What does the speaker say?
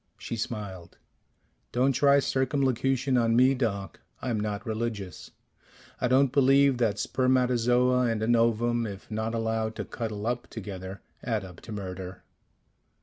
She smiled. "Don't try circumlocution on me, Doc. I'm not religious. I don't believe that spermatozoa and an ovum, if not allowed to cuddle up together, add up to murder."